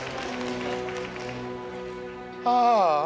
ああ。